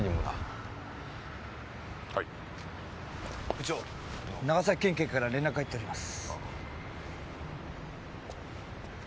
部長長崎県警から連絡が入っております。